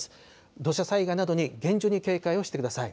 土砂災害などに厳重に警戒をしてください。